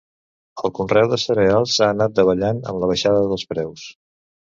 El conreu de cereals ha anat davallant amb la baixada dels preus.